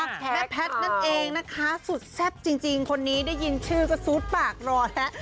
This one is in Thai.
แม่แพทย์นั่นเองนะคะสุดแซ่บจริงคนนี้ได้ยินชื่อก็ซูดปากรอแล้ว